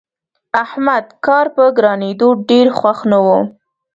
احمد کار په ګرانېدو ډېر خوښ نه وو.